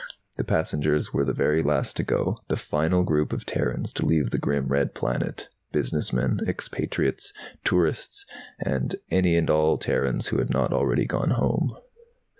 The passengers were the very last to go, the final group of Terrans to leave the grim red planet, business men, expatriates, tourists, any and all Terrans who had not already gone home.